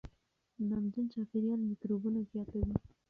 نمجن چاپېریال میکروبونه زیاتوي.